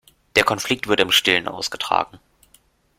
Der Konflikt wird im Stillen ausgetragen.